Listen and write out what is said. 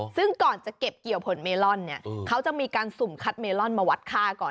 ซึ่งก่อนจะเก็บเกี่ยวผลเมลอนเนี่ยเขาจะมีการสุ่มคัดเมลอนมาวัดค่าก่อน